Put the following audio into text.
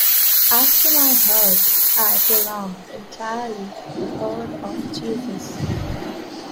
As to my heart, I belong entirely to the Heart of Jesus.